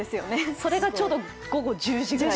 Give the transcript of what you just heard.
それがちょうど午後１０時ぐらい？